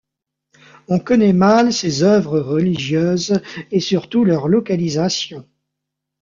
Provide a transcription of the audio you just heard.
On connait mal ses œuvres religieuses et surtout leur localisation.